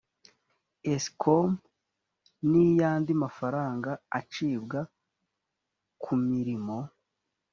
escom n iy andi mafaranga acibwa ku mirimo